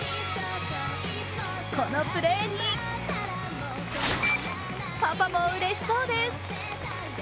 このプレーに、パパもうれしそうです